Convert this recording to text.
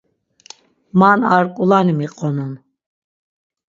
Man ar ǩulani miqonun.